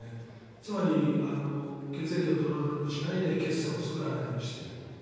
つまり血液をドロドロにしないで血栓を作らないようにして。